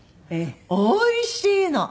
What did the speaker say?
おいしいの。